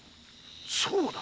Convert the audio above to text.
そうだ。